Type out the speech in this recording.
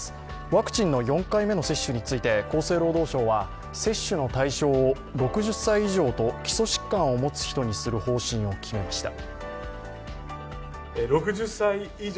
ワクチンの４回目の接種について、厚生労働省は接種の対象を６０歳以上と基礎疾患を持つ人にする方針を決めました。